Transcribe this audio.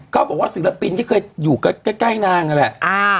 ก็บอกว่าศิลปินที่เคยอยู่ใกล้นางนั่นแหละ